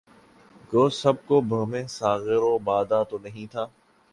گو سب کو بہم ساغر و بادہ تو نہیں تھا